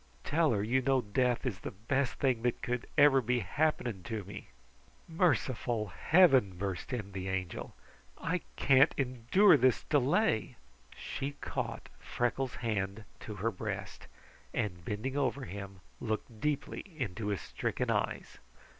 Tell her you know death is the best thing that could ever be happening to me!" "Merciful Heaven!" burst in the Angel. "I can't endure this delay!" She caught Freckles' hand to her breast, and bending over him, looked deeply into his stricken eyes.